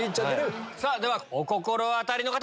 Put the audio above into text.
ではお心当たりの方！